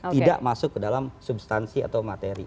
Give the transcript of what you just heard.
tidak masuk ke dalam substansi atau materi